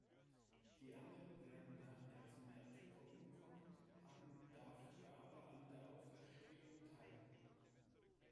Die anderen werden darin als Märtyrer umkommen, haben dafür aber an der Auferstehung teil.